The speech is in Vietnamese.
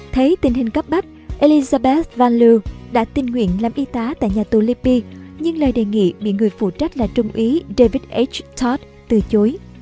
thấy tình hình cấp bắt elizabeth van loo đã tình nguyện làm y tá tại nhà tù lippie nhưng lời đề nghị bị người phụ trách là trung ý david h todd từ chối